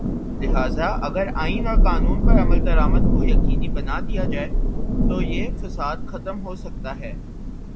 لہذا اگر آئین اور قانون پر عمل درآمد کو یقینی بنا لیا جائے تویہ فساد ختم ہو سکتا ہے۔